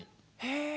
へえ。